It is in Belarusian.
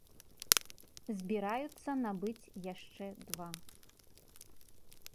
Збіраюцца набыць яшчэ два.